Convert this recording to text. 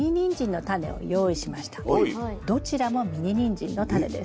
どちらもミニニンジンのタネです。